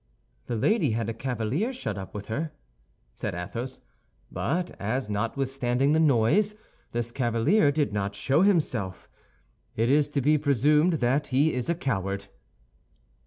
"The lady had a cavalier shut up with her," said Athos, "but as notwithstanding the noise, this cavalier did not show himself, it is to be presumed that he is a coward."